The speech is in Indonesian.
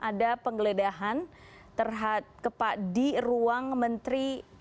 ada penggeledahan terhad kepadiruang menteri